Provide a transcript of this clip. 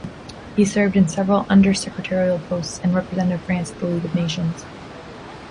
He served in several Under-Secretarial posts, and represented France at the League of Nations.